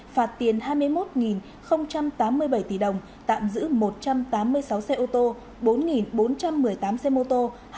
phạt tiền hai mươi một tám mươi bảy tỷ đồng tạm giữ một trăm tám mươi sáu xe ô tô bốn bốn trăm một mươi tám xe mô tô